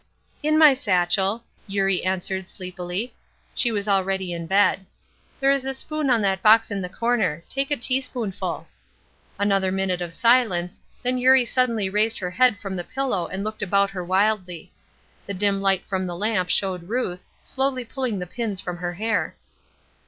"In my satchel," Eurie answered, sleepily. She was already in bed. "There is a spoon on that box in the corner; take a tea spoonful." Another minute of silence, then Eurie suddenly raised her head from the pillow and looked about her wildly. The dim light of the lamp showed Ruth, slowly pulling the pins from her hair.